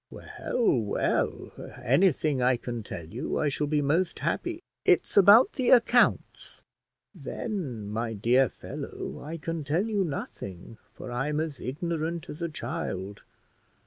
"Well, well, anything I can tell you I shall be most happy " "It's about the accounts." "Then, my dear fellow, I can tell you nothing, for I'm as ignorant as a child.